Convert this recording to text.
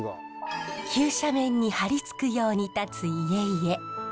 急斜面に張り付くように建つ家々。